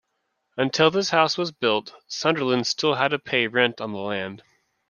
Until this house was built, Sunderland still had to pay rent on the land.